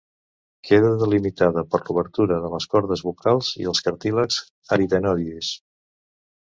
Queda delimitada per l'obertura de les cordes vocals i els cartílags aritenoides.